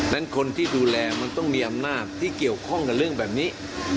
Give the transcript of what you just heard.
นั้นคนที่ดูแลมันต้องมีอำนาจที่เกี่ยวข้องกับเรื่องแบบนี้